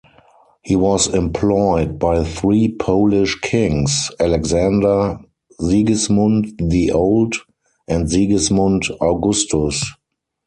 He was employed by three Polish kings: Alexander, Sigismund the Old and Sigismund Augustus.